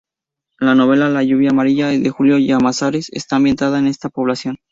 La novela La lluvia amarilla de Julio Llamazares está ambientada en esta población.